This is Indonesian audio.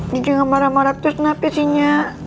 nih jangan marah marah terus napa sih nyak